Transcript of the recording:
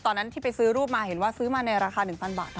ตอนนั้นที่ไปซื้อรูปมาเห็นว่าซื้อมาในราคา๑๐๐บาท